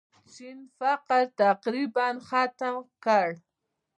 چین فقر تقریباً ختم کړ.